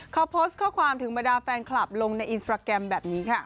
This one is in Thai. เขาโพสต์ข้อความถึงบรรดาแฟนคลับลงในอินสตราแกรมแบบนี้ค่ะ